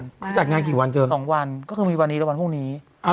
เขาจัดงานกี่วันเจอสองวันก็คือมีวันนี้แล้ววันพรุ่งนี้